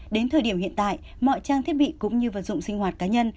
đến thời điểm hiện tại mọi trang thiết bị cũng như vật dụng sinh hoạt cá nhân